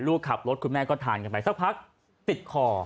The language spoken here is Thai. ลูกขับรถคุณแม่ก็ทานกันไปสักพักติดคอ